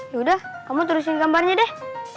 yaudah kamu turusin gambarnya deh